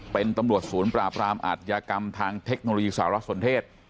เป็นตำรวจศูนย์ปราบรามอาทยากรรมทางเทคโนโลยีสารสนเทศ